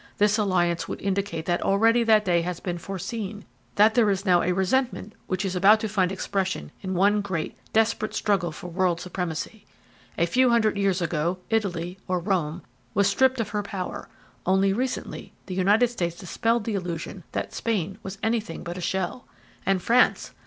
This alliance would indicate that already that day has been foreseen; that there is now a resentment which is about to find expression in one great, desperate struggle for world supremacy. A few hundred years ago Italy or Rome was stripped of her power; only recently the United States dispelled the illusion that Spain was anything but a shell; and France